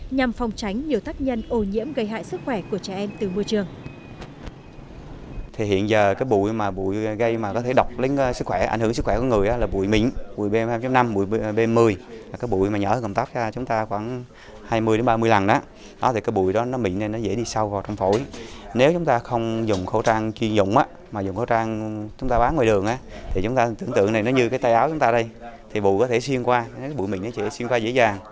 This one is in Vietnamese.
nhằm phòng tránh nhiều tác nhân ô nhiễm gây hại sức khỏe của trẻ em từ môi trường